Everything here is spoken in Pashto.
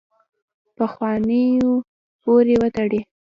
پخوانو پورې وتړي.